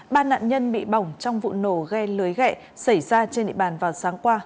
ba nạn nhân bị bỏng trong vụ nổ ghe lưới gẹ xảy ra trên địa bàn vào sáng qua